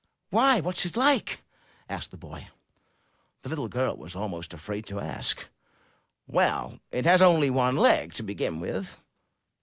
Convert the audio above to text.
'Why, what's it like?" asked the boy. The little girl was almost afraid to ask. ''Well, it has only one leg, to begin with."